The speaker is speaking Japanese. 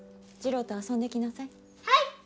次郎と遊んできなさい。